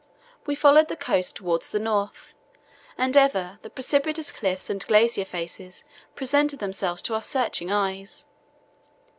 We followed the coast towards the north, and ever the precipitous cliffs and glacier faces presented themselves to our searching eyes.